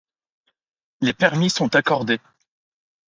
Les permis sont accordés.